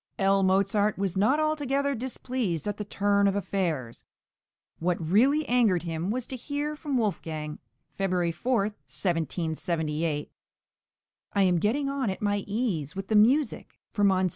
L. Mozart was not altogether displeased at the turn of affairs; what really angered him was to hear from Wolfgang (February 4, 1778): "I am getting on at my ease with the music for Mons.